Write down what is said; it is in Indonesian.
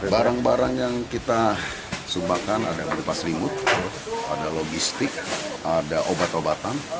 barang barang yang kita sumbangkan ada berupa selimut ada logistik ada obat obatan